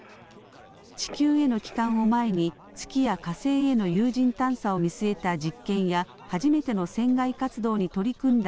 地球への帰還を前に月や火星への有人探査を見据えた実験や初めての船外活動に取り組んだ